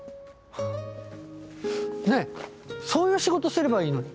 ねぇそういう仕事すればいいのに。